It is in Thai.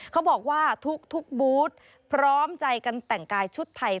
เขาบอกว่าทุกบูธพร้อมใจกันแต่งกายชุดไทย